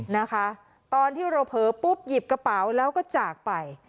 นะคะตอนที่เราเผลอปุ๊บหยิบกระเป๋าแล้วก็จากไป